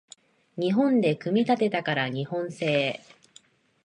日本で組み立てたから日本製